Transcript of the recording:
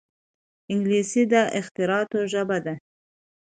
انګلیسي د اختراعاتو ژبه ده